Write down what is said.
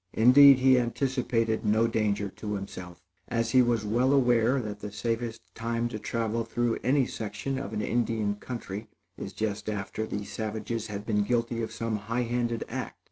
Indeed, he anticipated no danger to himself, as he was well aware, that the safest time to travel through any section of an Indian country, is just after the savages have been guilty of some highhanded act.